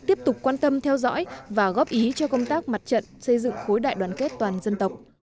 tiếp tục quan tâm theo dõi và góp ý cho công tác mặt trận xây dựng khối đại đoàn kết toàn dân tộc